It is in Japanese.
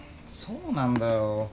そうなんだよ。